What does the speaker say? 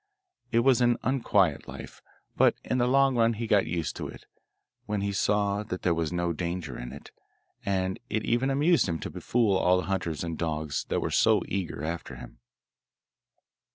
It was an unquiet life, but in the long run he got used to it, when he saw that there was no danger in it, and it even amused him to befool all the hunters and dogs that were so eager after him.